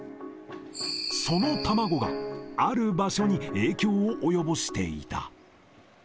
その卵がある場所に影響を及ぼしていた。